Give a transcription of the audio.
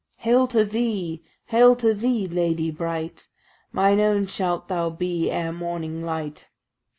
"Hail to thee! hail to thee! lady bright, Mine own shalt thou be ere morning light."